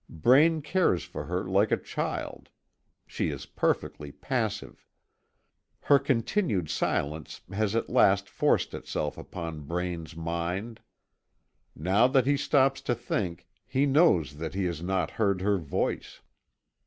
Braine cares for her like a child. She is perfectly passive. Her continued silence has at last forced itself upon Braine's mind. Now that he stops to think, he knows that he has not heard her voice.